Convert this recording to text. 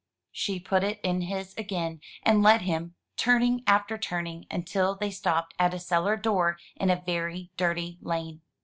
She put it in his again, and led him, turning after turning, until they stopped at a cellar door in a very dirty lane.